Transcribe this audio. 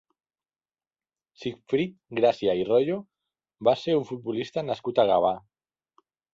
Sígfrid Gràcia i Royo va ser un futbolista nascut a Gavà.